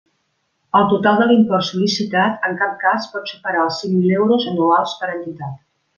El total de l'import sol·licitat en cap cas pot superar els cinc mil euros anuals per entitat.